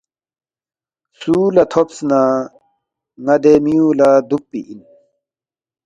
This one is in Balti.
سُو لہ تھوبس نہ دے میُو لہ ن٘ا دُوکپی اِن